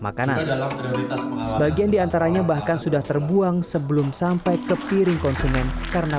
makanan sebagian diantaranya bahkan sudah terbuang sebelum sampai ke piring konsumen karena